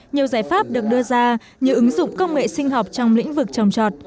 nhiều giải pháp được đưa ra như ứng dụng công nghệ sinh học trong lĩnh vực trồng trọt